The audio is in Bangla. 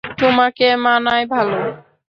তোমাকে মানায় ভালো।